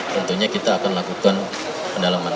tentunya kita akan lakukan pendalaman